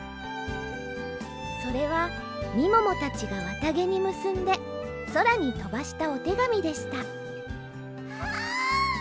それはみももたちがわたげにむすんでそらにとばしたおてがみでしたわあ！